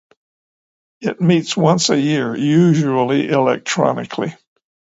It meets once a year, usually electronically.